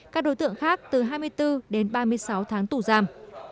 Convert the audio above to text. các đối tượng khác từ hai mươi bốn đến ba mươi sáu tháng tù giam